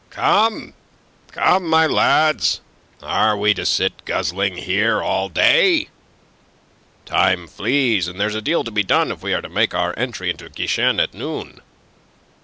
"Come, come, my lads! Are we to sit guzzling here all day? Time flees, and there's a deal to be done if we are to make our entry into Guichen at noon.